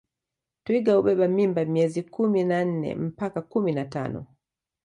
Twiga hubeba mimba miezi kumi na nne mpaka kumi na tano